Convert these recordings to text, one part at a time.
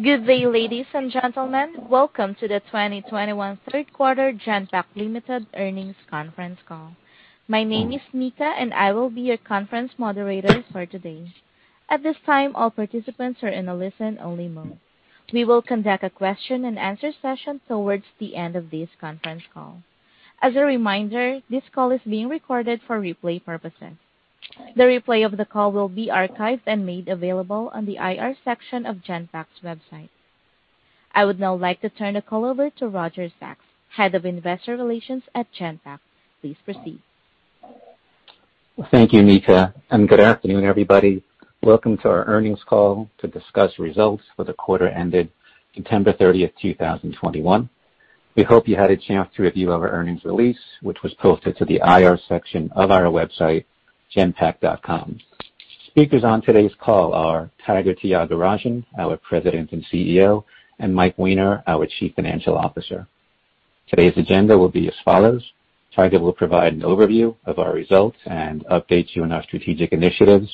Good day, ladies and gentlemen. Welcome to the 2021 Q3 Genpact Limited earnings conference call. My name is Nika, and I will be your conference moderator for today. At this time, all participants are in a listen-only mode. We will conduct a question and answer session towards the end of this conference call. As a reminder, this call is being recorded for replay purposes. The replay of the call will be archived and made available on the IR section of Genpact's website. I would now like to turn the call over to Roger Sachs, Head of Investor Relations at Genpact. Please proceed. Thank you, Nika, and good afternoon, everybody. Welcome to our earnings call to discuss results for the quarter ended September 30th, 2021. We hope you had a chance to review our earnings release, which was posted to the IR section of our website, genpact.com. Speakers on today's call are Tiger Tyagarajan, our President and CEO, and Mike Weiner, our Chief Financial Officer. Today's agenda will be as follows. Tiger will provide an overview of our results and update you on our strategic initiatives.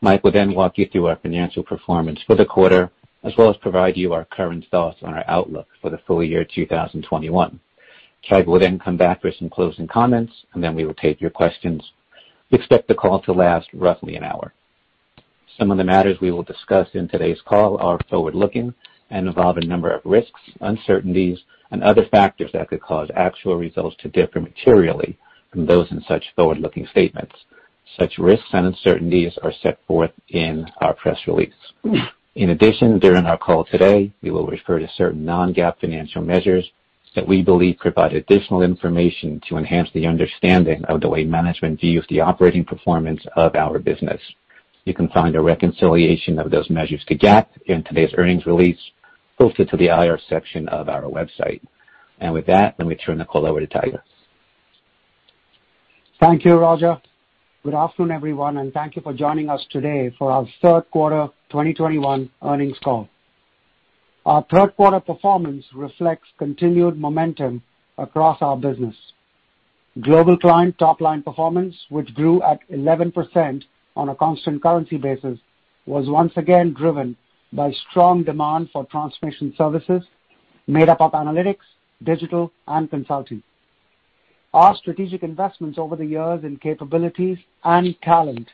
Mike will then walk you through our financial performance for the quarter, as well as provide you our current thoughts on our outlook for the full year 2021. Tiger will then come back with some closing comments, and then we will take your questions. We expect the call to last roughly an hour. Some of the matters we will discuss in today's call are forward-looking and involve a number of risks, uncertainties, and other factors that could cause actual results to differ materially from those in such forward-looking statements. Such risks and uncertainties are set forth in our press release. In addition, during our call today, we will refer to certain non-GAAP financial measures that we believe provide additional information to enhance the understanding of the way management views the operating performance of our business. You can find a reconciliation of those measures to GAAP in today's earnings release posted to the IR section of our website. With that, let me turn the call over to Tiger. Thank you, Roger. Good afternoon, everyone, and thank you for joining us today for our Q3 2021 earnings call. Our Q3 performance reflects continued momentum across our business. Global client top-line performance, which grew at 11% on a constant currency basis, was once again driven by strong demand for transformation services made up of analytics, digital, and consulting. Our strategic investments over the years in capabilities and talent,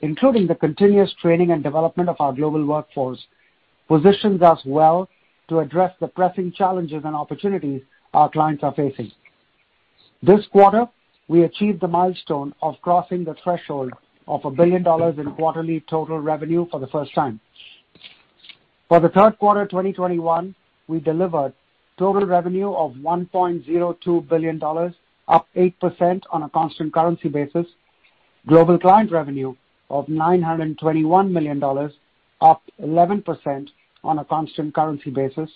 including the continuous training and development of our global workforce, positions us well to address the pressing challenges and opportunities our clients are facing. This quarter, we achieved the milestone of crossing the threshold of $1 billion in quarterly total revenue for the first time. For the Q3 of 2021, we delivered total revenue of $1.02 billion, up 8% on a constant currency basis. Global client revenue of $921 million, up 11% on a constant currency basis.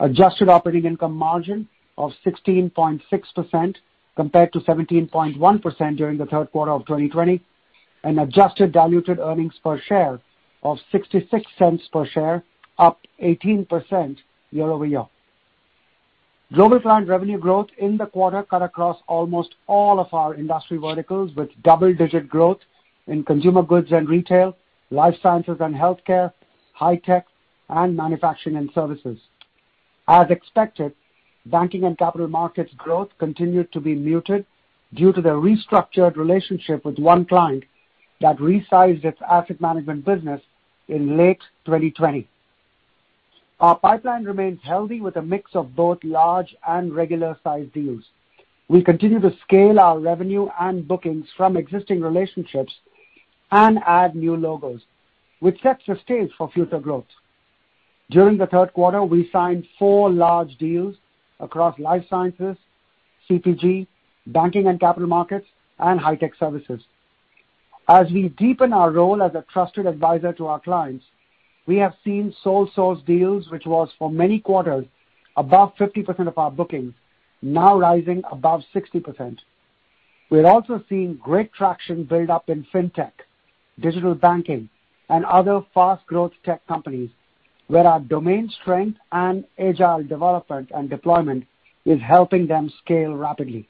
Adjusted operating income margin of 16.6% compared to 17.1% during the Q3 of 2020. Adjusted diluted earnings per share of $0.66 per share, up 18% year-over-year. Global client revenue growth in the quarter cut across almost all of our industry verticals, with double-digit growth in consumer goods and retail, life sciences and healthcare, high-tech, and manufacturing and services. As expected, banking and capital markets growth continued to be muted due to the restructured relationship with one client that resized its asset management business in late 2020. Our pipeline remains healthy with a mix of both large and regular-sized deals. We continue to scale our revenue and bookings from existing relationships and add new logos, which sets the stage for future growth. During the Q3, we signed four large deals across life sciences, CPG, banking and capital markets, and high-tech services. As we deepen our role as a trusted advisor to our clients, we have seen sole source deals, which was for many quarters above 50% of our bookings, now rising above 60%. We're also seeing great traction build up in fintech, digital banking, and other fast growth tech companies, where our domain strength and agile development and deployment is helping them scale rapidly.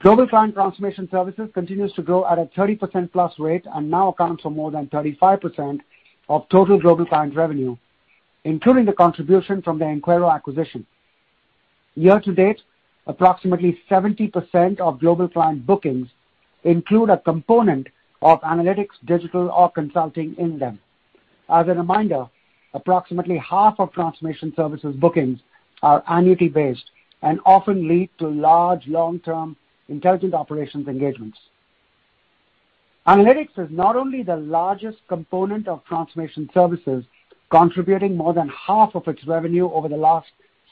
Global client transformation services continues to grow at a 30%+ rate and now accounts for more than 35% of total global client revenue, including the contribution from the Enquero acquisition. Year to date, approximately 70% of global client bookings include a component of analytics, digital or consulting in them. As a reminder, approximately half of transformation services bookings are annuity-based and often lead to large long-term intelligent operations engagements. Analytics is not only the largest component of transformation services, contributing more than half of its revenue over the last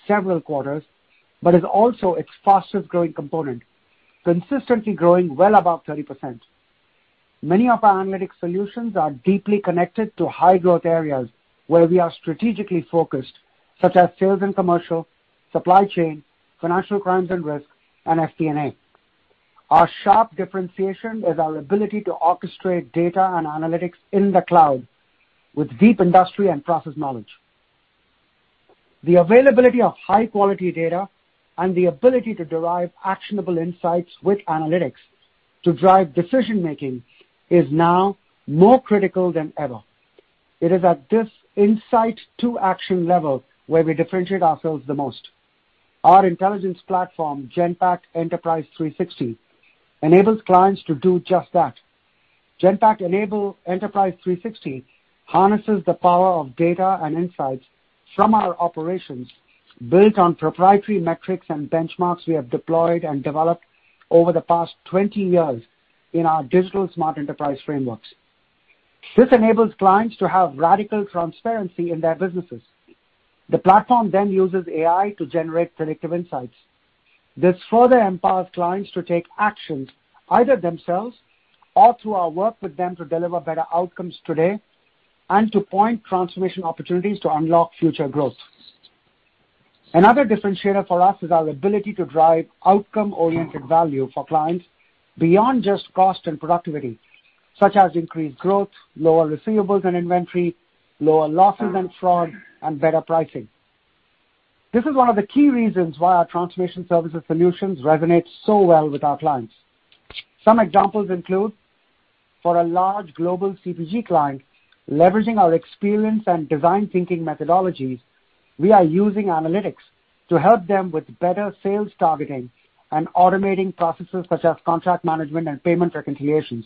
several quarters, but is also its fastest growing component, consistently growing well above 30%. Many of our analytics solutions are deeply connected to high growth areas where we are strategically focused, such as sales and commercial, supply chain, financial crimes and risk, and FDNA. Our sharp differentiation is our ability to orchestrate data and analytics in the cloud with deep industry and process knowledge. The availability of high quality data and the ability to derive actionable insights with analytics to drive decision making is now more critical than ever. It is at this insight to action level where we differentiate ourselves the most. Our intelligence platform, Genpact Enterprise360, enables clients to do just that. Genpact Enterprise360 harnesses the power of data and insights from our operations built on proprietary metrics and benchmarks we have deployed and developed over the past 20 years in our digital Smart Enterprise frameworks. This enables clients to have radical transparency in their businesses. The platform then uses AI to generate predictive insights. This further empowers clients to take actions either themselves or through our work with them to deliver better outcomes today and to pinpoint transformation opportunities to unlock future growth. Another differentiator for us is our ability to drive outcome-oriented value for clients beyond just cost and productivity, such as increased growth, lower receivables and inventory, lower losses and fraud, and better pricing. This is one of the key reasons why our transformation services solutions resonate so well with our clients. Some examples include, for a large global CPG client, leveraging our experience and design thinking methodologies, we are using analytics to help them with better sales targeting and automating processes such as contract management and payment reconciliations.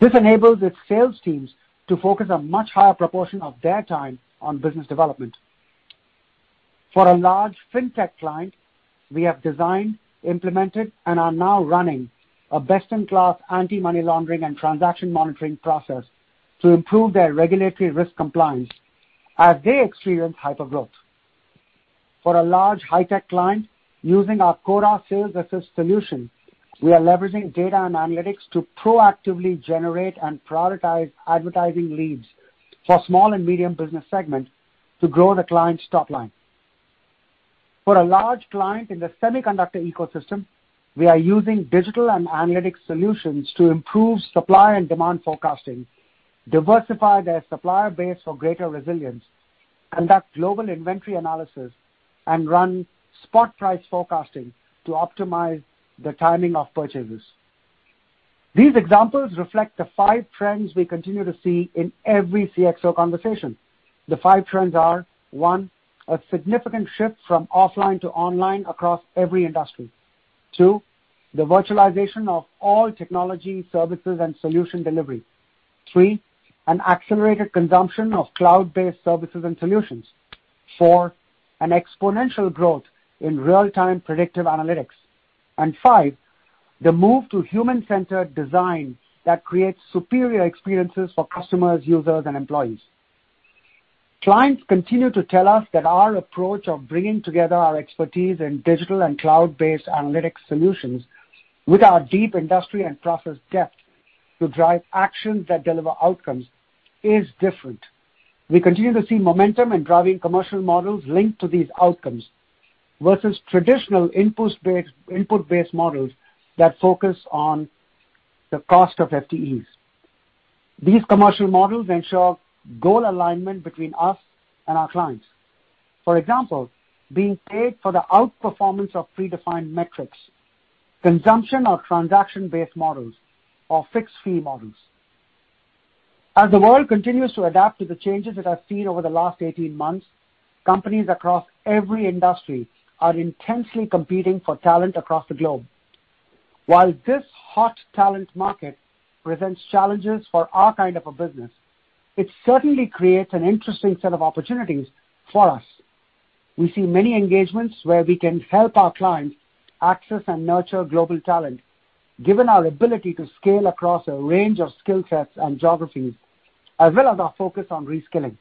This enables its sales teams to focus a much higher proportion of their time on business development. For a large fintech client, we have designed, implemented, and are now running a best-in-class anti-money laundering and transaction monitoring process to improve their regulatory risk compliance as they experience hypergrowth. For a large high-tech client, using our Cora SalesAssist solution, we are leveraging data and analytics to proactively generate and prioritize advertising leads for small and medium business segments to grow the client's top line. For a large client in the semiconductor ecosystem, we are using digital and analytics solutions to improve supply and demand forecasting, diversify their supplier base for greater resilience, conduct global inventory analysis, and run spot price forecasting to optimize the timing of purchases. These examples reflect the five trends we continue to see in every CXO conversation. The five trends are, one, a significant shift from offline to online across every industry. Two, the virtualization of all technology services and solution delivery. Three, an accelerated consumption of cloud-based services and solutions. Four, an exponential growth in real-time predictive analytics. And five, the move to human-centered design that creates superior experiences for customers, users, and employees. Clients continue to tell us that our approach of bringing together our expertise in digital and cloud-based analytics solutions with our deep industry and process depth to drive actions that deliver outcomes is different. We continue to see momentum in driving commercial models linked to these outcomes versus traditional input-based models that focus on the cost of FTEs. These commercial models ensure goal alignment between us and our clients. For example, being paid for the outperformance of predefined metrics, consumption of transaction-based models or fixed-fee models. As the world continues to adapt to the changes that are seen over the last 18 months, companies across every industry are intensely competing for talent across the globe. While this hot talent market presents challenges for our kind of a business, it certainly creates an interesting set of opportunities for us. We see many engagements where we can help our clients access and nurture global talent, given our ability to scale across a range of skill sets and geographies, as well as our focus on reskilling.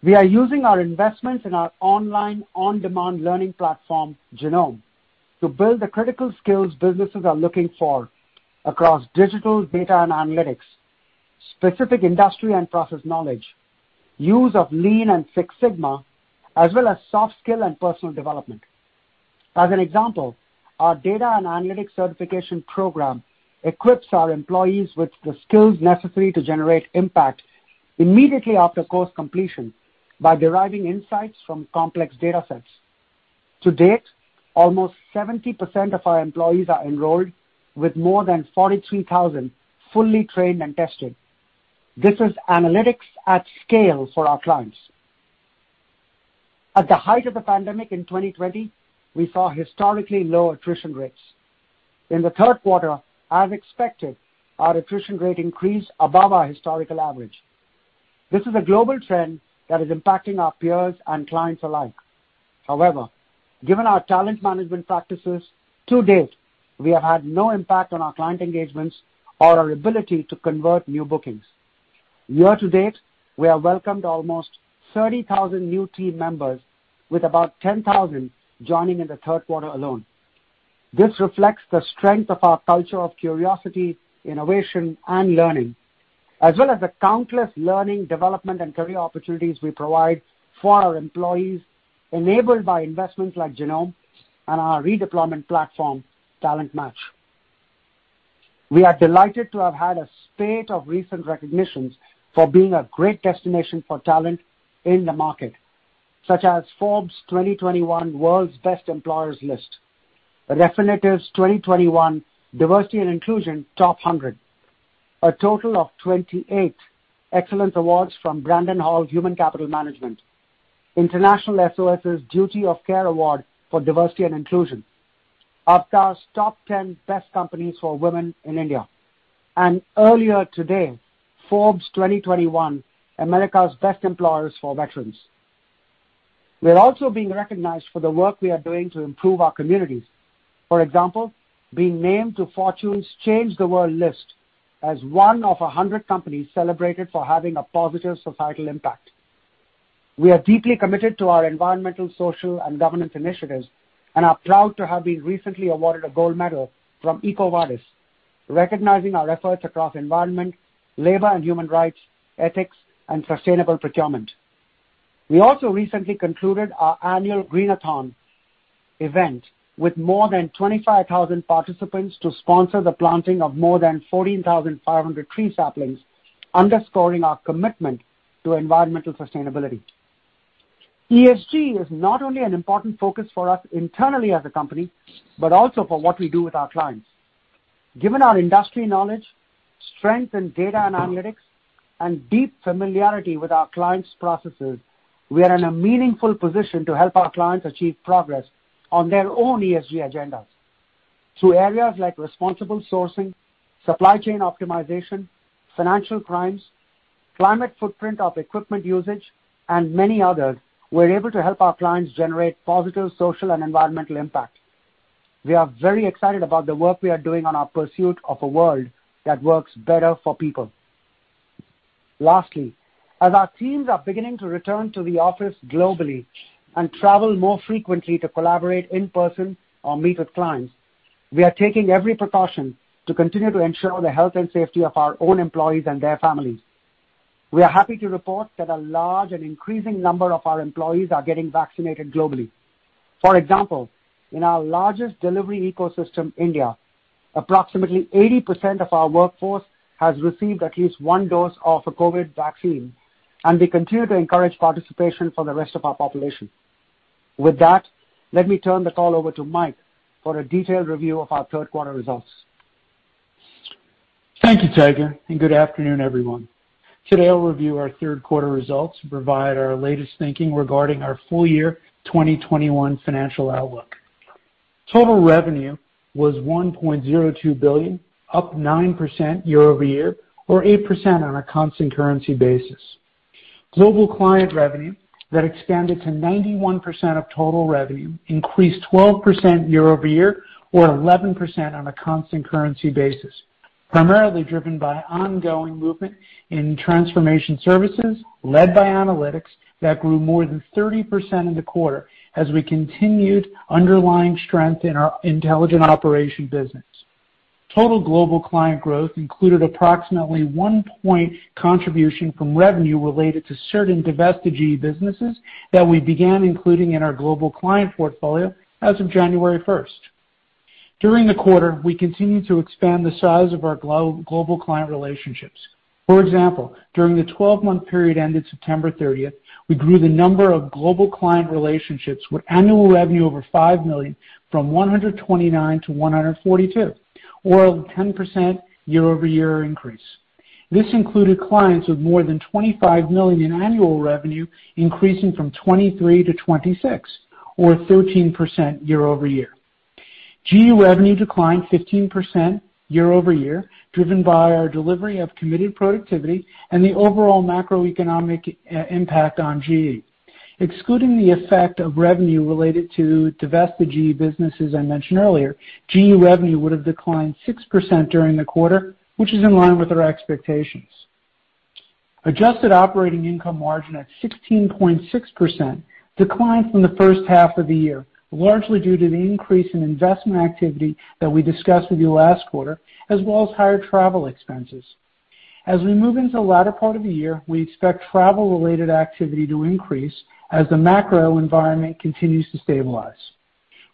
We are using our investments in our online, on-demand learning platform, Genome, to build the critical skills businesses are looking for across digital data and analytics, specific industry and process knowledge, use of Lean Six Sigma, as well as soft skill and personal development. As an example, our data and analytics certification program equips our employees with the skills necessary to generate impact immediately after course completion by deriving insights from complex data sets. To date, almost 70% of our employees are enrolled with more than 43,000 fully trained and tested. This is analytics at scale for our clients. At the height of the pandemic in 2020, we saw historically low attrition rates. In the Q3, as expected, our attrition rate increased above our historical average. This is a global trend that is impacting our peers and clients alike. However, given our talent management practices, to date, we have had no impact on our client engagements or our ability to convert new bookings. Year to date, we have welcomed almost 30,000 new team members with about 10,000 joining in the Q3 alone. This reflects the strength of our culture of curiosity, innovation, and learning, as well as the countless learning, development, and career opportunities we provide for our employees enabled by investments like Genome and our redeployment platform, Talent Match. We are delighted to have had a spate of recent recognitions for being a great destination for talent in the market, such as Forbes 2021 World's Best Employers list, Refinitiv's 2021 Diversity and Inclusion Top 100, a total of 28 Excellence Awards from Brandon Hall Group, International SOS's Duty of Care Award for Diversity and Inclusion, Avtar's Top 10 Best Companies for Women in India, and earlier today, Forbes 2021 America's Best Employers for Veterans. We're also being recognized for the work we are doing to improve our communities. For example, being named to Fortune's Change the World list as one of 100 companies celebrated for having a positive societal impact. We are deeply committed to our environmental, social, and governance initiatives and are proud to have been recently awarded a gold medal from EcoVadis, recognizing our efforts across environment, labor and human rights, ethics, and sustainable procurement. We also recently concluded our annual Greenathon event with more than 25,000 participants to sponsor the planting of more than 14,500 tree saplings, underscoring our commitment to environmental sustainability. ESG is not only an important focus for us internally as a company, but also for what we do with our clients. Given our industry knowledge, strength in data and analytics, and deep familiarity with our clients' processes, we are in a meaningful position to help our clients achieve progress on their own ESG agendas. Through areas like responsible sourcing, supply chain optimization, financial crimes, climate footprint of equipment usage, and many others, we're able to help our clients generate positive social and environmental impact. We are very excited about the work we are doing on our pursuit of a world that works better for people. Lastly, as our teams are beginning to return to the office globally and travel more frequently to collaborate in person or meet with clients, we are taking every precaution to continue to ensure the health and safety of our own employees and their families. We are happy to report that a large and increasing number of our employees are getting vaccinated globally. For example, in our largest delivery ecosystem, India, approximately 80% of our workforce has received at least one dose of a COVID vaccine, and we continue to encourage participation for the rest of our population. With that, let me turn the call over to Mike for a detailed review of our Q3 results. Thank you, Tiger, and good afternoon, everyone. Today I'll review our Q3 results and provide our latest thinking regarding our full year 2021 financial outlook. Total revenue was $1.02 billion, up 9% year-over-year or 8% on a constant currency basis. Global client revenue that expanded to 91% of total revenue increased 12% year-over-year or 11% on a constant currency basis, primarily driven by ongoing momentum in transformation services led by analytics that grew more than 30% in the quarter as we continued underlying strength in our intelligent operations business. Total global client growth included approximately 1 percentage point contribution from revenue related to certain divested GE businesses that we began including in our global client portfolio as of January 1st. During the quarter, we continued to expand the size of our global client relationships. For example, during the twelve-month period ended September 30th, we grew the number of global client relationships with annual revenue over $5 million from 129 to 142, or a 10% year-over-year increase. This included clients with more than $25 million in annual revenue, increasing from 23-26, or 13% year-over-year. GE revenue declined 15% year-over-year, driven by our delivery of committed productivity and the overall macroeconomic impact on GE. Excluding the effect of revenue related to divested GE businesses I mentioned earlier, GE revenue would have declined 6% during the quarter, which is in line with our expectations. Adjusted operating income margin at 16.6% declined from the first half of the year, largely due to the increase in investment activity that we discussed with you last quarter, as well as higher travel expenses. We move into the latter part of the year, we expect travel-related activity to increase as the macro environment continues to stabilize.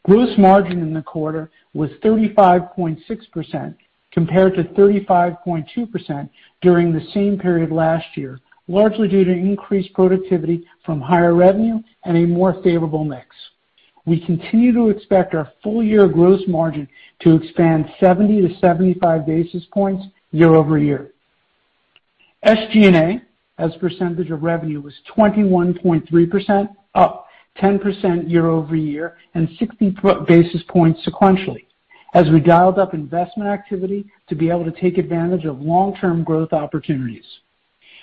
Gross margin in the quarter was 35.6% compared to 35.2% during the same period last year, largely due to increased productivity from higher revenue and a more favorable mix. We continue to expect our full year gross margin to expand 70-75 basis points year-over-year. SG&A, as a percentage of revenue, was 21.3%, up 10% year-over-year and 63 basis points sequentially as we dialed up investment activity to be able to take advantage of long-term growth opportunities.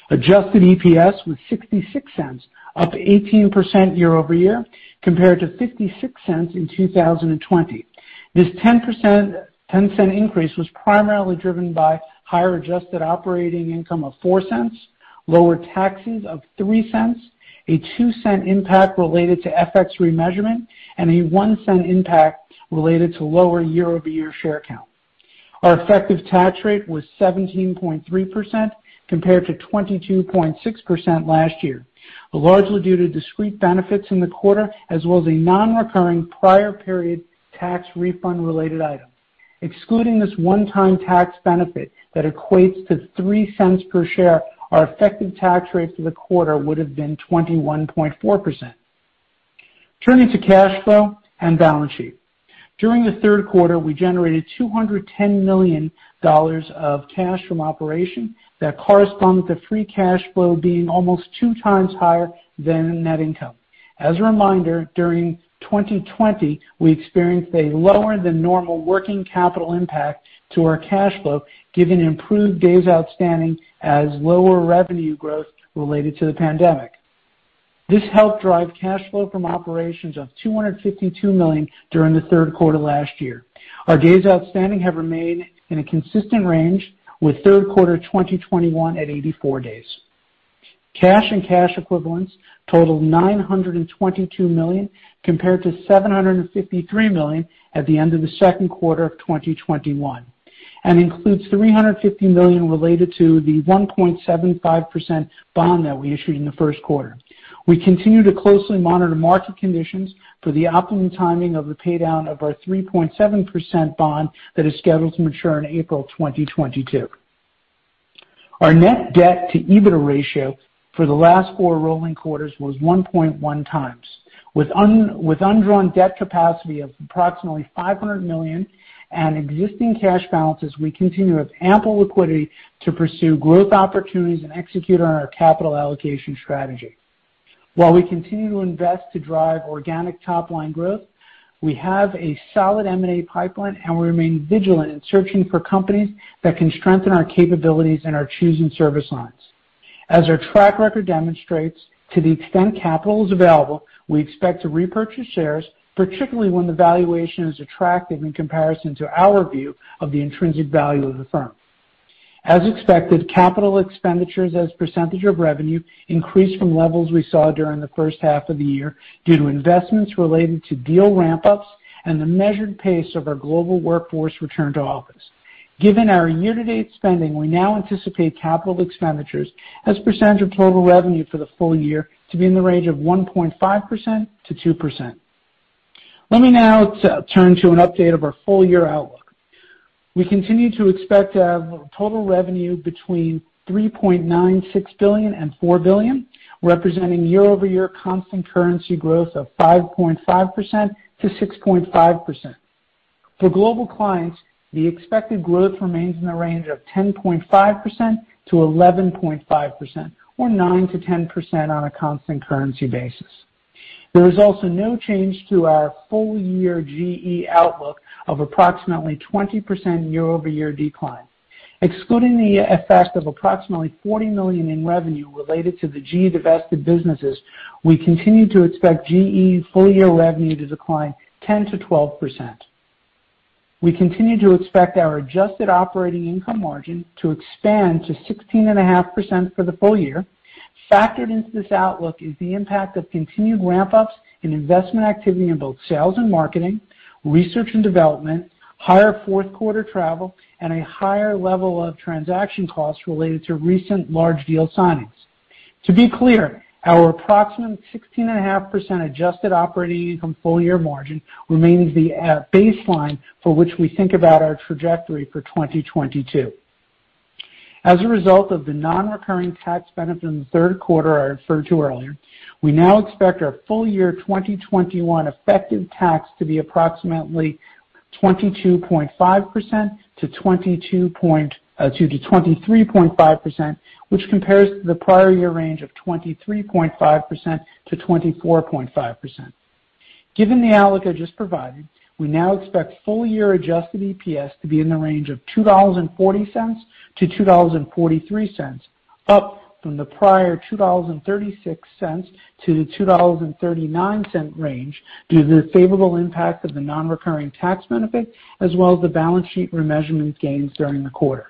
Adjusted EPS was $0.66, up 18% year-over-year compared to $0.56 in 2020. This ten cent increase was primarily driven by higher adjusted operating income of $0.04, lower taxes of $0.03, a $0.02 impact related to FX re-measurement, and a $0.01 impact related to lower year-over-year share count. Our effective tax rate was 17.3% compared to 22.6% last year, largely due to discrete benefits in the quarter as well as a non-recurring prior period tax refund related item. Excluding this one time tax benefit that equates to $0.03 per share, our effective tax rate for the quarter would have been 21.4%. Turning to cash flow and balance sheet. During the Q3, we generated $210 million of cash from operations that corresponds with the free cash flow being almost two times higher than net income. As a reminder, during 2020, we experienced a lower than normal working capital impact to our cash flow given improved days outstanding as lower revenue growth related to the pandemic. This helped drive cash flow from operations of $252 million during the Q3 last year. Our days outstanding have remained in a consistent range with Q3 2021 at 84 days. Cash and cash equivalents totaled $922 million, compared to $753 million at the end of the Q2 of 2021, and includes $350 million related to the 1.75% bond that we issued in the Q1. We continue to closely monitor market conditions for the optimum timing of the pay down of our 3.7% bond that is scheduled to mature in April 2022. Our net debt to EBITDA ratio for the last four rolling quarters was 1.1 times. With undrawn debt capacity of approximately $500 million and existing cash balances, we continue with ample liquidity to pursue growth opportunities and execute on our capital allocation strategy. While we continue to invest to drive organic top line growth, we have a solid M&A pipeline, and we remain vigilant in searching for companies that can strengthen our capabilities and our choosing service lines. As our track record demonstrates, to the extent capital is available, we expect to repurchase shares, particularly when the valuation is attractive in comparison to our view of the intrinsic value of the firm. As expected, capital expenditures as percentage of revenue increased from levels we saw during the first half of the year due to investments related to deal ramp-ups and the measured pace of our global workforce return to office. Given our year-to-date spending, we now anticipate capital expenditures as percentage of total revenue for the full year to be in the range of 1.5%-2%. Let me now turn to an update of our full-year outlook. We continue to expect to have total revenue between $3.96 billion-$4 billion, representing year-over-year constant currency growth of 5.5%-6.5%. For global clients, the expected growth remains in the range of 10.5%-11.5% or 9%-10% on a constant currency basis. There is also no change to our full-year GE outlook of approximately 20% year-over-year decline. Excluding the effect of approximately $40 million in revenue related to the GE divested businesses, we continue to expect GE full-year revenue to decline 10%-12%. We continue to expect our adjusted operating income margin to expand to 16.5% for the full year. Factored into this outlook is the impact of continued ramp-ups in investment activity in both sales and marketing, research and development, higher Q4 travel, and a higher level of transaction costs related to recent large deal signings. To be clear, our approximate 16.5% adjusted operating income full-year margin remains the baseline for which we think about our trajectory for 2022. As a result of the non-recurring tax benefit in the Q3 I referred to earlier, we now expect our full year 2021 effective tax to be approximately 22.5%-23.5%, which compares to the prior year range of 23.5%-24.5%. Given the outlook I just provided, we now expect full-year adjusted EPS to be in the range of $2.40-$2.43, up from the prior $2.36-$2.39 range due to the favorable impact of the non-recurring tax benefit as well as the balance sheet re-measurement gains during the quarter.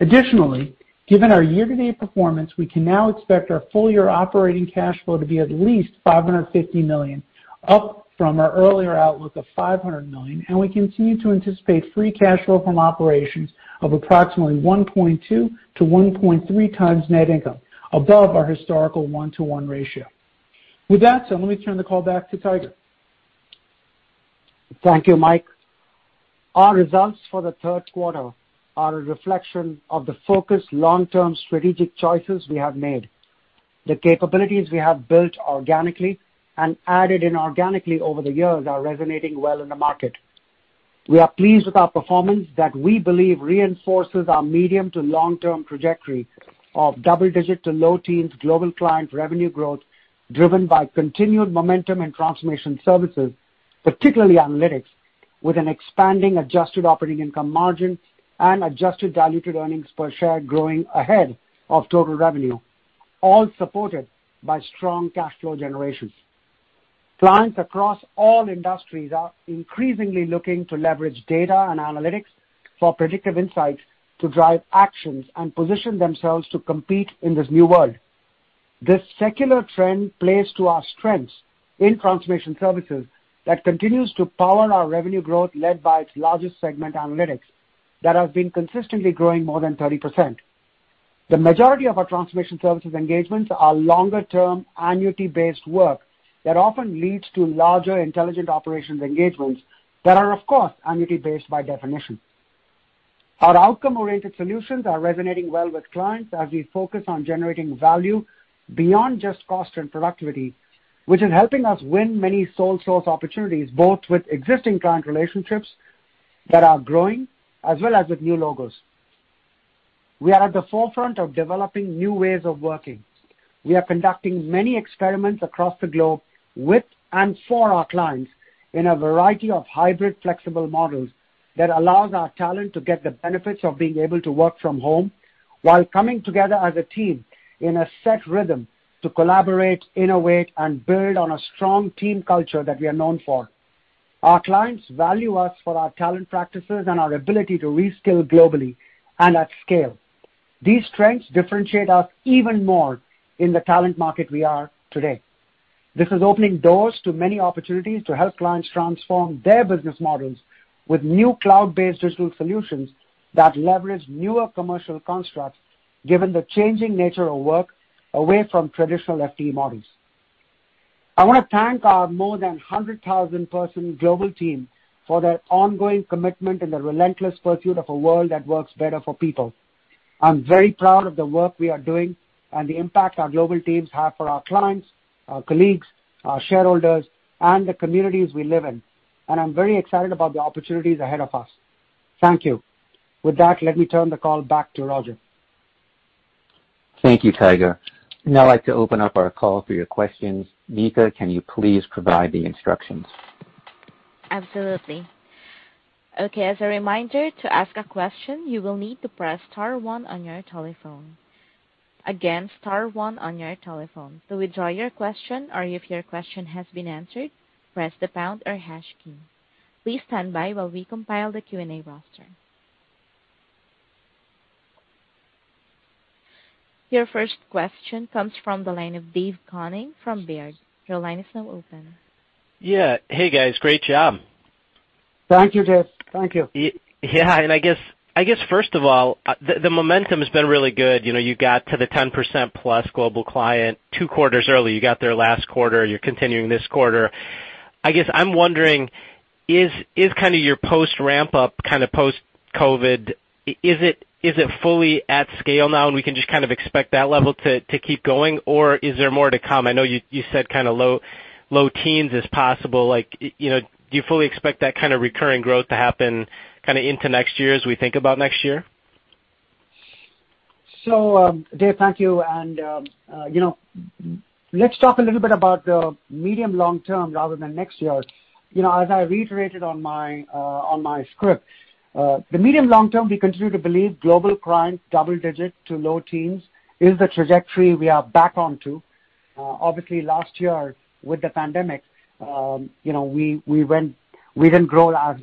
Additionally, given our year-to-date performance, we can now expect our full-year operating cash flow to be at least $550 million, up from our earlier outlook of $500 million, and we continue to anticipate free cash flow from operations of approximately 1.2-1.3 times net income above our historical 1-to-1 ratio. With that said, let me turn the call back to Tiger. Thank you, Mike. Our results for the Q3 are a reflection of the focused long-term strategic choices we have made. The capabilities we have built organically and added inorganically over the years are resonating well in the market. We are pleased with our performance that we believe reinforces our medium- to long-term trajectory of double-digit to low-teens% global client revenue growth, driven by continued momentum in transformation services, particularly analytics, with an expanding adjusted operating income margin and adjusted diluted earnings per share growing ahead of total revenue, all supported by strong cash flow generations. Clients across all industries are increasingly looking to leverage data and analytics for predictive insights to drive actions and position themselves to compete in this new world. This secular trend plays to our strengths in transformation services that continues to power our revenue growth, led by its largest segment, analytics, that has been consistently growing more than 30%. The majority of our transformation services engagements are longer term annuity based work that often leads to larger intelligent operations engagements that are of course annuity based by definition. Our outcome oriented solutions are resonating well with clients as we focus on generating value beyond just cost and productivity, which is helping us win many sole source opportunities, both with existing client relationships that are growing as well as with new logos. We are at the forefront of developing new ways of working. We are conducting many experiments across the globe with and for our clients in a variety of hybrid flexible models that allows our talent to get the benefits of being able to work from home while coming together as a team in a set rhythm to collaborate, innovate and build on a strong team culture that we are known for. Our clients value us for our talent practices and our ability to reskill globally and at scale. These strengths differentiate us even more in the talent market we are today. This is opening doors to many opportunities to help clients transform their business models with new cloud-based digital solutions that leverage newer commercial constructs given the changing nature of work away from traditional FTE models. I want to thank our more than 100,000-person global team for their ongoing commitment and their relentless pursuit of a world that works better for people. I'm very proud of the work we are doing and the impact our global teams have for our clients, our colleagues, our shareholders and the communities we live in. I'm very excited about the opportunities ahead of us. Thank you. With that, let me turn the call back to Roger. Thank you, Tiger. Now I'd like to open up our call for your questions. Nika, can you please provide the instructions? Absolutely. Okay. As a reminder to ask a question, you will need to press star one on your telephone. Again, star one on your telephone. To withdraw your question or if your question has been answered, press the pound or hash key. Please stand by while we compile the Q&A roster. Your first question comes from the line of David Koning from Baird. Your line is now open. Yeah. Hey, guys, great job. Thank you, David. Thank you. Yeah. I guess first of all, the momentum has been really good. You know, you got to the 10% plus global client two quarters early. You got there last quarter. You're continuing this quarter. I guess I'm wondering, is kind of your post ramp up, kind of post COVID, is it fully at scale now, and we can just kind of expect that level to keep going, or is there more to come? I know you said kind of low teens is possible. Like, you know, do you fully expect that kind of recurring growth to happen kind of into next year as we think about next year? David, thank you. You know, let's talk a little bit about the medium- to long-term rather than next year. You know, as I reiterated on my script, the medium- to long-term, we continue to believe global clients double-digit to low teens% is the trajectory we are back onto. Obviously last year with the pandemic, you know, we didn't grow as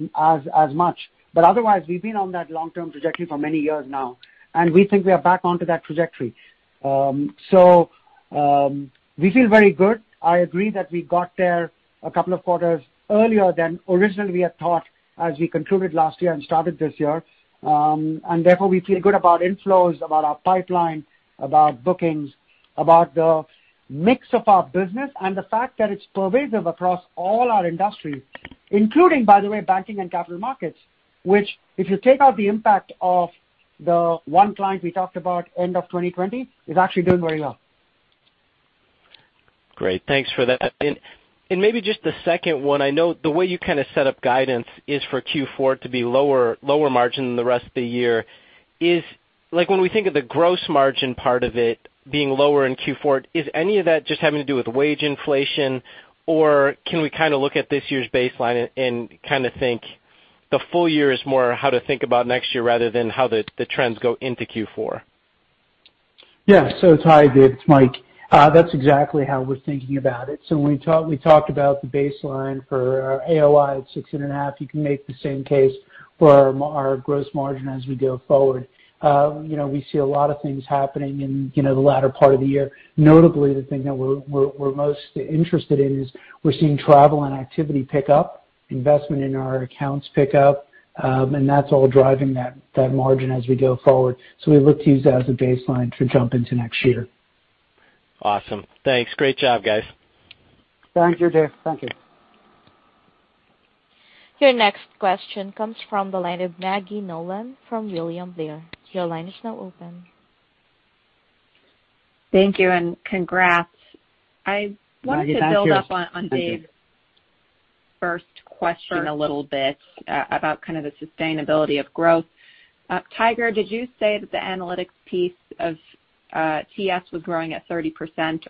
much. Otherwise, we've been on that long-term trajectory for many years now, and we think we are back onto that trajectory. We feel very good. I agree that we got there a couple of quarters earlier than originally we had thought as we concluded last year and started this year. Therefore we feel good about inflows, about our pipeline, about bookings, about the mix of our business and the fact that it's pervasive across all our industries, including, by the way, banking and capital markets, which if you take out the impact of the one client we talked about end of 2020, is actually doing very well. Great. Thanks for that. Maybe just the second one. I know the way you kind of set up guidance is for Q4 to be lower margin than the rest of the year. Like when we think of the gross margin part of it being lower in Q4, is any of that just having to do with wage inflation? Or can we kind of look at this year's baseline and kind of think the full year is more how to think about next year rather than how the trends go into Q4? Yeah. Sorry, David. It's Mike. That's exactly how we're thinking about it. When we talked, we talked about the baseline for our AOI at 6.5%. You can make the same case for our gross margin as we go forward. You know, we see a lot of things happening in, you know, the latter part of the year. Notably, the thing that we're most interested in is we're seeing travel and activity pick up, investment in our accounts pick up, and that's all driving that margin as we go forward. We look to use that as a baseline to jump into next year. Awesome. Thanks. Great job, guys. Thank you, David. Thank you. Your next question comes from the line of Maggie Nolan from William Blair. Your line is now open. Thank you and congrats. Maggie, back to you. I wanted to build up on David's first question a little bit about kind of the sustainability of growth. Tiger, did you say that the analytics piece of TS was growing at 30%,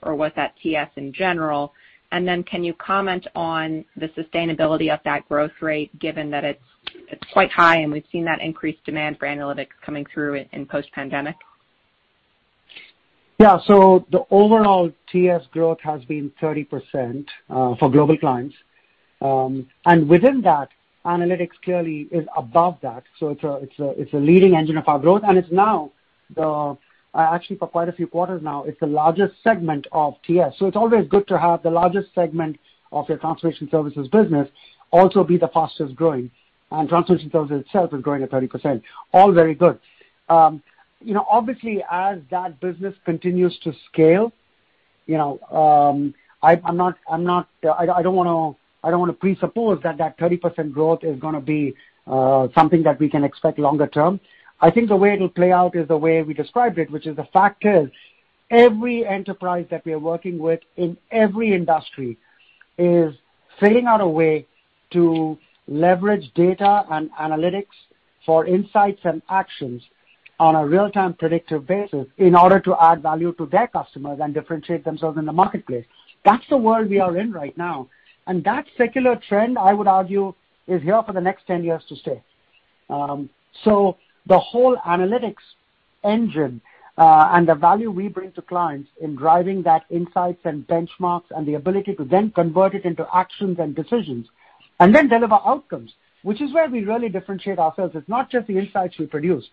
or was that TS in general? Then can you comment on the sustainability of that growth rate, given that it's quite high and we've seen that increased demand for analytics coming through in post-pandemic? Yeah. The overall TS growth has been 30% for global clients. Within that, analytics clearly is above that. It's a leading engine of our growth, and it's now, actually for quite a few quarters now, it's the largest segment of TS. It's always good to have the largest segment of your Transformation Services business also be the fastest growing. Transformation Services itself is growing at 30%. All very good. Obviously as that business continues to scale, you know, I'm not. I don't wanna presuppose that that 30% growth is gonna be something that we can expect longer term. I think the way it'll play out is the way we described it, which is the fact is every enterprise that we are working with in every industry is figuring out a way to leverage data and analytics for insights and actions on a real-time predictive basis in order to add value to their customers and differentiate themselves in the marketplace. That's the world we are in right now. That secular trend, I would argue, is here for the next 10 years to stay. The whole analytics engine, and the value we bring to clients in driving that insights and benchmarks and the ability to then convert it into actions and decisions and then deliver outcomes, which is where we really differentiate ourselves. It's not just the insights we produce,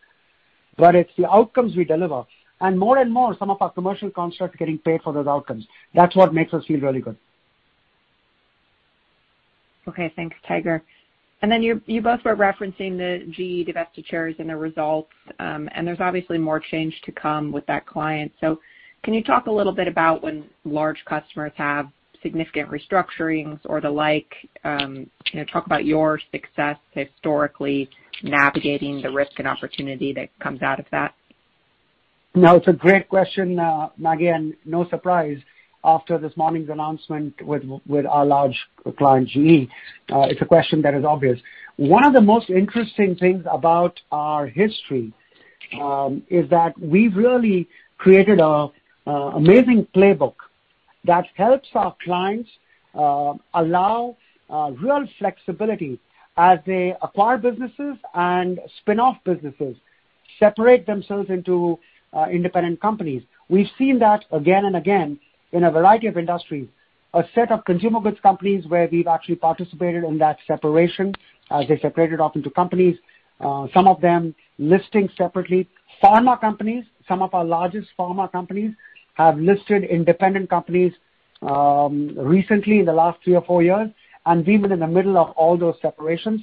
but it's the outcomes we deliver. More and more, some of our commercial constructs are getting paid for those outcomes. That's what makes us feel really good. Okay. Thanks, Tiger. You both were referencing the GE divestitures and the results, and there's obviously more change to come with that client. Can you talk a little bit about when large customers have significant restructurings or the like, you know, talk about your success historically navigating the risk and opportunity that comes out of that? No, it's a great question, Maggie, and no surprise, after this morning's announcement with our large client, GE, it's a question that is obvious. One of the most interesting things about our history is that we've really created an amazing playbook that helps our clients allow real flexibility as they acquire businesses and spin-off businesses, separate themselves into independent companies. We've seen that again and again in a variety of industries. A set of consumer goods companies where we've actually participated in that separation, they separated off into companies, some of them listing separately. Pharma companies, some of our largest pharma companies have listed independent companies recently in the last three or four years, and we've been in the middle of all those separations.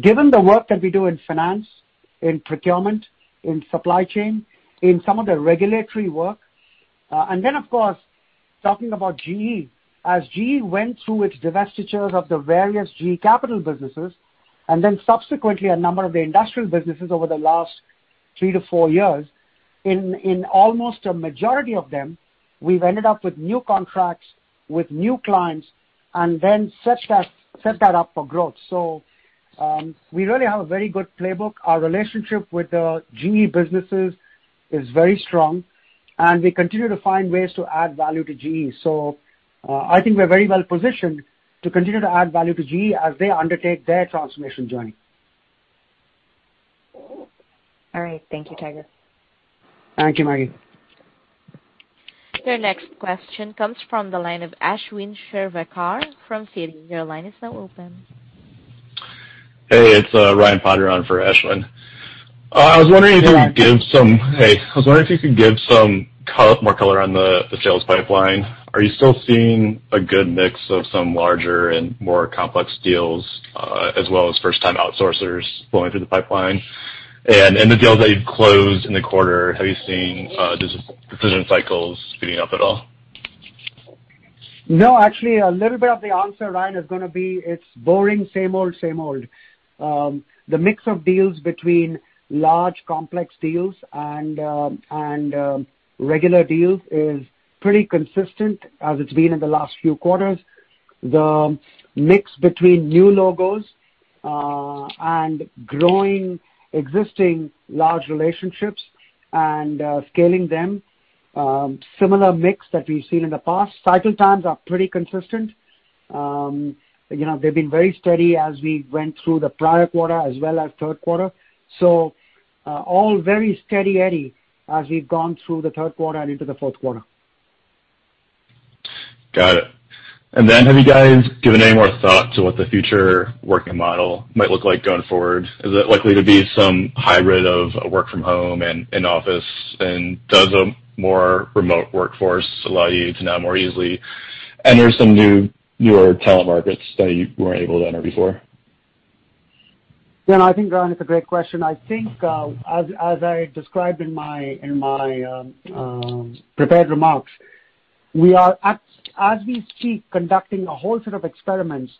Given the work that we do in finance, in procurement, in supply chain, in some of the regulatory work, and then, of course, talking about GE. As GE went through its divestiture of the various GE Capital businesses and then subsequently a number of the industrial businesses over the last 3-4 years, in almost a majority of them, we've ended up with new contracts, with new clients and then set that up for growth. We really have a very good playbook. Our relationship with the GE businesses is very strong, and we continue to find ways to add value to GE. I think we're very well positioned to continue to add value to GE as they undertake their transformation journey. All right. Thank you, Tiger. Thank you, Maggie. Your next question comes from the line of Ashwin Shirvaikar from Citigroup. Your line is now open. Hey, it's Ryan Potter on for Ashwin. I was wondering if you could give some color, more color on the sales pipeline. Are you still seeing a good mix of some larger and more complex deals, as well as first-time outsourcers flowing through the pipeline? In the deals that you've closed in the quarter, have you seen decision cycles speeding up at all? No, actually, a little bit of the answer, Ryan, is gonna be it's boring, same old, same old. The mix of deals between large complex deals and regular deals is pretty consistent as it's been in the last few quarters. The mix between new logos and growing existing large relationships and scaling them, similar mix that we've seen in the past. Cycle times are pretty consistent. You know, they've been very steady as we went through the prior quarter as well as Q3. So, all very steady eddy as we've gone through the Q3 and into the Q4. Got it. Have you guys given any more thought to what the future working model might look like going forward? Is it likely to be some hybrid of work from home and in office? Does a more remote workforce allow you to now more easily enter some new, newer talent markets that you weren't able to enter before? No, I think, Ryan, it's a great question. I think, as I described in my prepared remarks, we are, as we speak, conducting a whole set of experiments.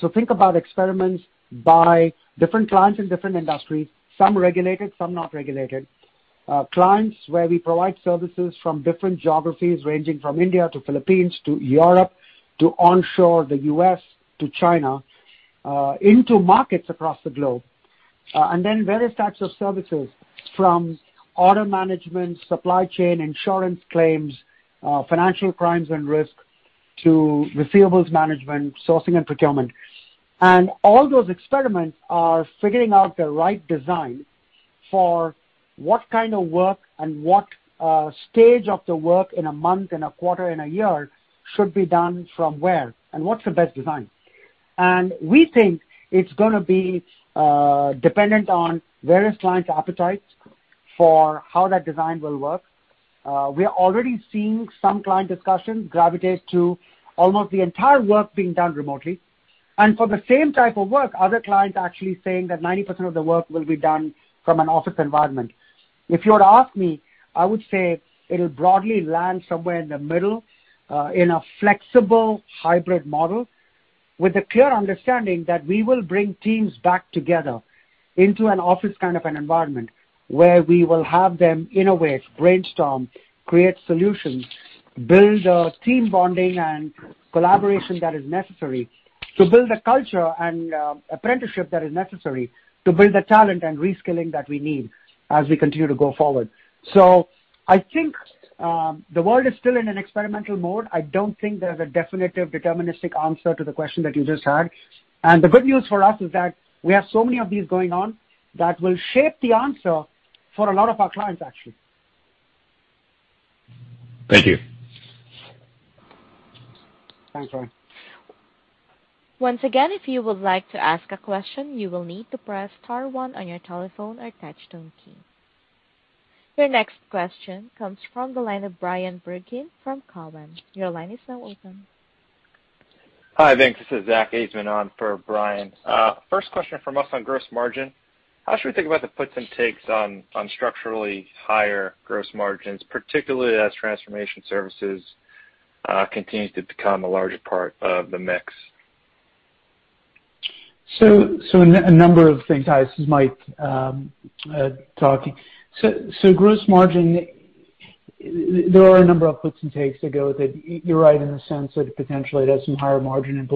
So think about experiments by different clients in different industries, some regulated, some not regulated. Clients where we provide services from different geographies ranging from India to Philippines to Europe to onshore the U.S. to China, into markets across the globe. Then various types of services from order management, supply chain, insurance claims, financial crimes and risk to receivables management, sourcing and procurement. All those experiments are figuring out the right design for what kind of work and what stage of the work in a month, in a quarter, in a year should be done from where and what's the best design. We think it's gonna be dependent on various clients' appetites for how that design will work. We are already seeing some client discussions gravitate to almost the entire work being done remotely. For the same type of work, other clients are actually saying that 90% of the work will be done from an office environment. If you were to ask me, I would say it'll broadly land somewhere in the middle, in a flexible hybrid model with a clear understanding that we will bring teams back together into an office kind of an environment where we will have them innovate, brainstorm, create solutions, build team bonding and collaboration that is necessary to build a culture and apprenticeship that is necessary to build the talent and reskilling that we need as we continue to go forward. I think the world is still in an experimental mode. I don't think there's a definitive deterministic answer to the question that you just had. The good news for us is that we have so many of these going on that will shape the answer for a lot of our clients, actually. Thank you. Thanks, Ryan. Once again, if you would like to ask a question, you will need to press star one on your telephone or touch tone key. Your next question comes from the line of Bryan Bergin from Cowen. Your line is now open. Hi, Nika. This is Zach Ajzenman on for Bryan. First question from us on gross margin. How should we think about the puts and takes on structurally higher gross margins, particularly as transformation services continues to become a larger part of the mix? A number of things, guys. This is Mike talking. Gross margin, there are a number of puts and takes that go with it. You're right in the sense that potentially it has some higher margin and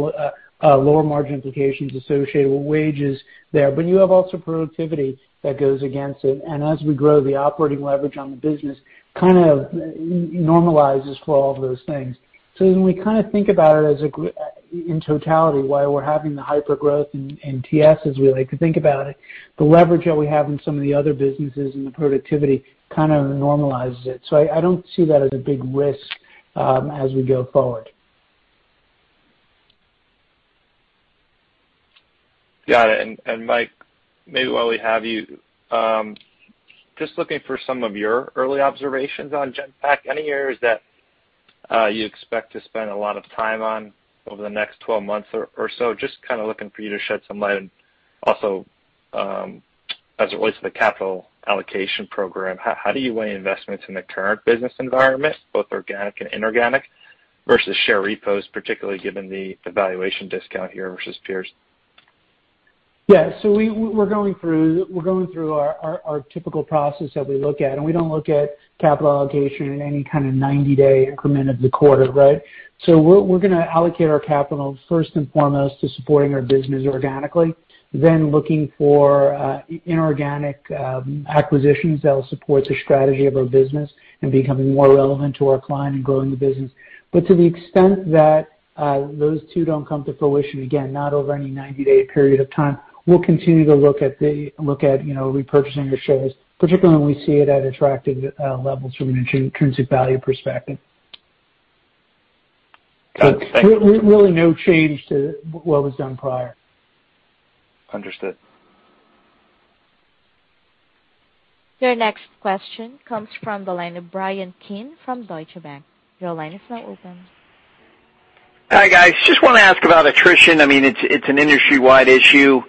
lower margin implications associated with wages there. You have also productivity that goes against it. As we grow the operating leverage on the business, kind of normalizes for all of those things. When we kind of think about it in totality, why we're having the hypergrowth in TS, as we like to think about it, the leverage that we have in some of the other businesses and the productivity kind of normalizes it. I don't see that as a big risk as we go forward. Got it. Mike, maybe while we have you, just looking for some of your early observations on Genpact. Any areas that you expect to spend a lot of time on over the next 12 months or so? Just kinda looking for you to shed some light. Also, as it relates to the capital allocation program, how do you weigh investments in the current business environment, both organic and inorganic, versus share repos, particularly given the valuation discount here versus peers? Yeah. We're going through our typical process that we look at, and we don't look at capital allocation in any kind of 90-day increment of the quarter, right? We're gonna allocate our capital first and foremost to supporting our business organically, then looking for inorganic acquisitions that will support the strategy of our business and becoming more relevant to our client and growing the business. To the extent that those two don't come to fruition, again, not over any 90-day period of time, we'll continue to look at, you know, repurchasing the shares, particularly when we see it at attractive levels from an intrinsic value perspective. Got it. Thank you. Really no change to what was done prior. Understood. Your next question comes from the line of Bryan Keane from Deutsche Bank. Your line is now open. Hi, guys. Just wanna ask about attrition. I mean, it's an industry-wide issue.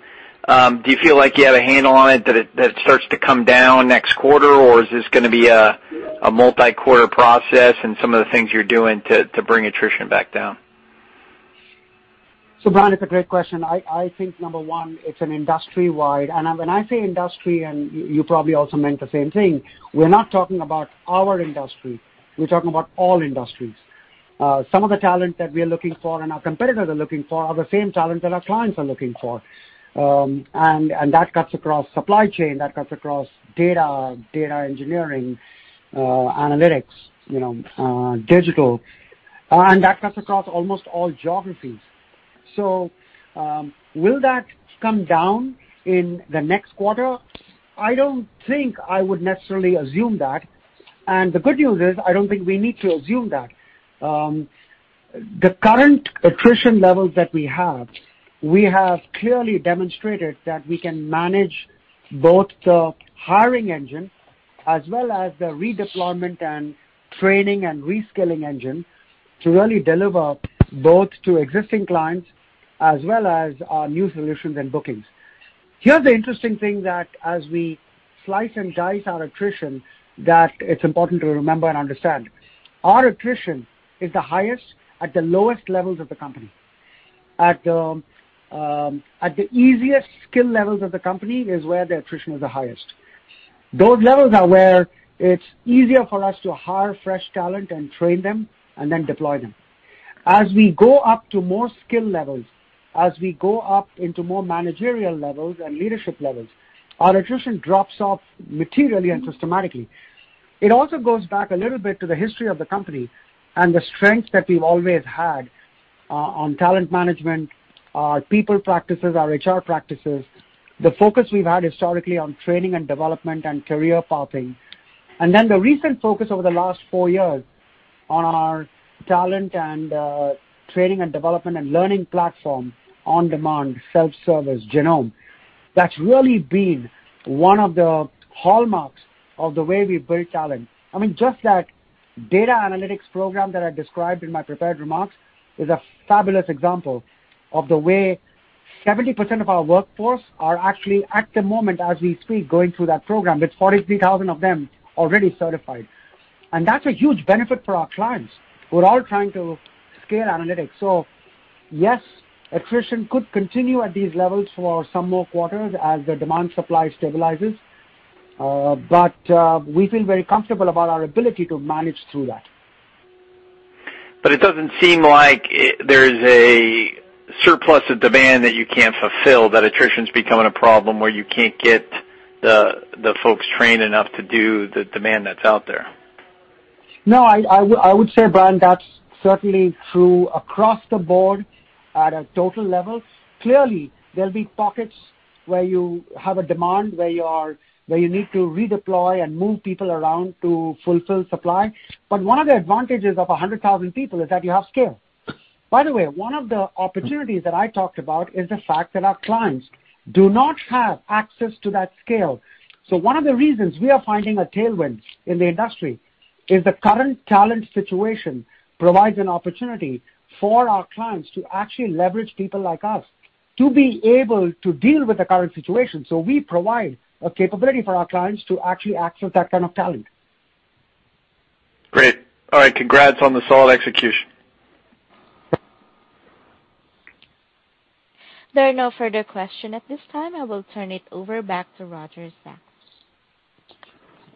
Do you feel like you have a handle on it, that it starts to come down next quarter, or is this gonna be a multi-quarter process, and some of the things you're doing to bring attrition back down? Bryan, it's a great question. I think, number one, it's an industry-wide. When I say industry, you probably also meant the same thing, we're not talking about our industry, we're talking about all industries. Some of the talent that we're looking for and our competitors are looking for are the same talent that our clients are looking for. That cuts across supply chain, that cuts across data engineering, analytics, you know, digital. That cuts across almost all geographies. Will that come down in the next quarter? I don't think I would necessarily assume that. The good news is, I don't think we need to assume that. The current attrition levels that we have, we have clearly demonstrated that we can manage both the hiring engine as well as the redeployment and training and reskilling engine to really deliver both to existing clients as well as our new solutions and bookings. Here's the interesting thing that as we slice and dice our attrition, that it's important to remember and understand. Our attrition is the highest at the lowest levels of the company. At the easiest skill levels of the company is where the attrition is the highest. Those levels are where it's easier for us to hire fresh talent and train them, and then deploy them. As we go up to more skill levels, as we go up into more managerial levels and leadership levels, our attrition drops off materially and systematically. It also goes back a little bit to the history of the company and the strength that we've always had, on talent management, our people practices, our HR practices, the focus we've had historically on training and development and career pathing. The recent focus over the last four years on our talent and, training and development and learning platform on demand, self-service, Genome. That's really been one of the hallmarks of the way we build talent. I mean, just that data analytics program that I described in my prepared remarks is a fabulous example of the way 70% of our workforce are actually, at the moment as we speak, going through that program, with 43,000 of them already certified. That's a huge benefit for our clients who are all trying to scale analytics. Yes, attrition could continue at these levels for some more quarters as the demand supply stabilizes, but we feel very comfortable about our ability to manage through that. It doesn't seem like there is a surplus of demand that you can't fulfill, that attrition is becoming a problem where you can't get the folks trained enough to do the demand that's out there. No, I would say, Bryan, that's certainly true across the board at a total level. Clearly, there'll be pockets where you have a demand, where you need to redeploy and move people around to fulfill supply. One of the advantages of 100,000 people is that you have scale. By the way, one of the opportunities that I talked about is the fact that our clients do not have access to that scale. One of the reasons we are finding a tailwind in the industry is the current talent situation provides an opportunity for our clients to actually leverage people like us to be able to deal with the current situation. We provide a capability for our clients to actually access that kind of talent. Great. All right. Congrats on the solid execution. There are no further questions at this time. I will turn it back over to Roger Sachs.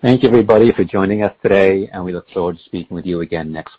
Thank you, everybody, for joining us today, and we look forward to speaking with you again next quarter.